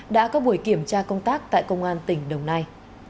đã có buổi kiểm tra công tác tại công an tỉnh đồng nai